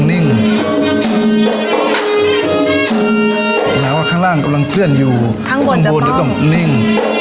หมายังว่าข้างล่างกำลังเคลื่อนอยู่ข้างบนถึงต้องนิ่ง